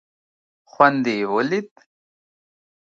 خوند دې یې ولید.